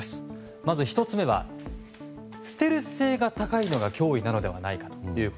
まず１つ目はステルス性が高いのが脅威なのではないか。